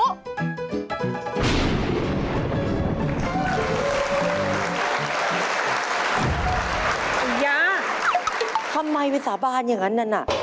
อ่าย๊ะทำไมวิสาบานอย่างนั้นน่ะ